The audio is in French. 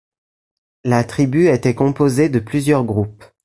La tribu était composée de plusieurs groupes.